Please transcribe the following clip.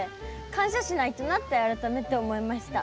感謝しないとなって改めて思いました。